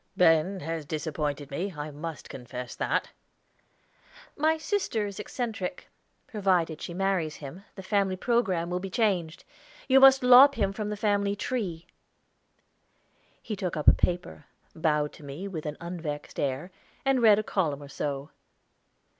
"Ben has disappointed me; I must confess that." "My sister is eccentric. Provided she marries him, the family programme will be changed. You must lop him from the family tree." He took up a paper, bowed to me with an unvexed air, and read a column or so.